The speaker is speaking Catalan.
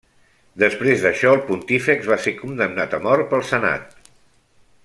Després d'això el pontífex va ser condemnat a mort pel senat.